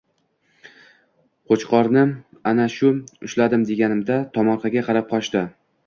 Qo‘chqorni ana ushladim deganimda tomorqaga qarab qochdi